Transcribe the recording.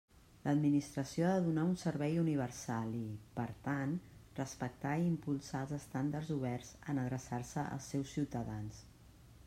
L'administració ha de donar un servei universal i, per tant, respectar i impulsar els estàndards oberts en adreçar-se als seus ciutadans.